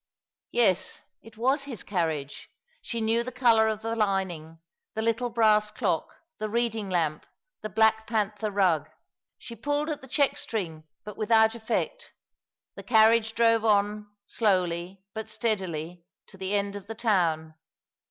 Yes, it was his carriage. She knew the colour of the lining, the little brass clock, the reading lamp, the black panther rug. She pulled at the check string, but without effect. The carriage drove on, slowly, but steadily, to the end of the town.